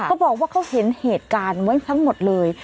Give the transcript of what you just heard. เขาบอกว่าเขาเห็นเหตุการณ์ไว้ทั้งหมดเลย